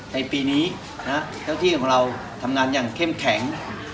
ในปีนี้เจ้าที่ของเราทำงานอย่างเข้มแข็ง